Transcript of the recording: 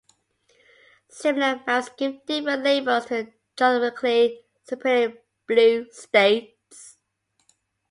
Similar maps give different labels to the geographically separated blue states.